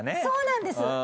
そうなんです！